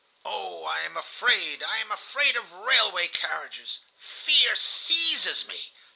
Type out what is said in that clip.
"Oh, I am afraid, I am afraid of railway carriages. Fear seizes me.